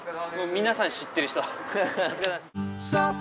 皆さん知ってる人。